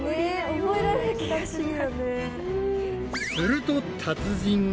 すると達人が。